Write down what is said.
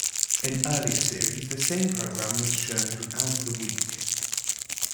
In earlier series, the same programme was shown throughout the week.